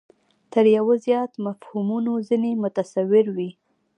تر یوه زیات مفهومونه ځنې متصور وي.